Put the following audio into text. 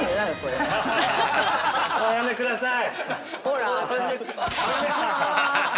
おやめください。